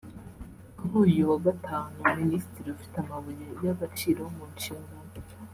Kuri uyu wa Gatanu minisitiri ufite amabuye y’agaciro mu nshingano